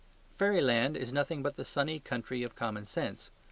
Fairyland is nothing but the sunny country of common sense.